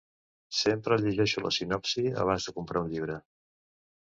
Sempre llegeixo la sinopsi abans de comprar un llibre.